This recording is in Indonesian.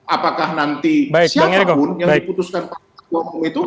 apakah nanti siapapun yang diputuskan pak romo itu